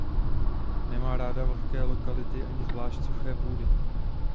Nemá ráda vlhké lokality ani zvlášť suché půdy.